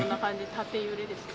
縦揺れですか？